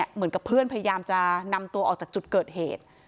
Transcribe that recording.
เหมือนกับเพื่อนพยายามจะนำตัวออกจากจุดเกิดเหตุ